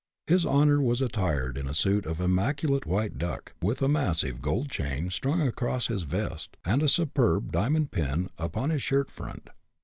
His honor, was attired in a suit of immaculate white duck, with a massive gold chain strung across his vest and a superb diamond pin upon his shirt front.